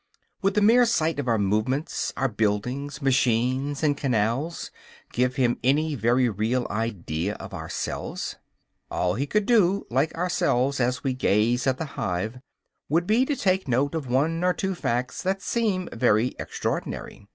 Would the mere sight of our movements, our buildings, machines and canals, give him any very real idea of ourselves? All he could do, like ourselves as we gaze at the hive, would be to take note of one or two facts that seem very extraordinary.